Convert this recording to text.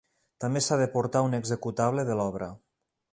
També s'ha de portar un executable de l'obra.